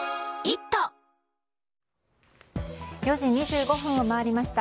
４時２５分を回りました。